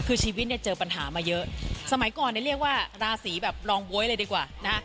คือชีวิตเนี่ยเจอปัญหามาเยอะสมัยก่อนเนี่ยเรียกว่าราศีแบบรองบ๊วยเลยดีกว่านะฮะ